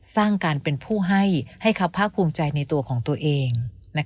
สร้างการเป็นผู้ให้ให้เขาภาคภูมิใจในตัวของตัวเอง